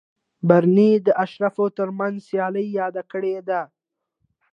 برني د اشرافو ترمنځ سیالي یاده کړې ده.